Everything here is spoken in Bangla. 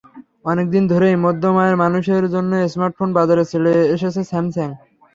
অনেক দিন ধরেই মধ্যম আয়ের মানুষদের জন্য স্মার্টফোন বাজারে ছেড়ে এসেছে স্যামসাং।